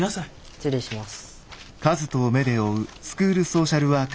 失礼します。